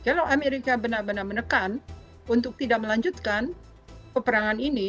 kalau amerika benar benar menekan untuk tidak melanjutkan peperangan ini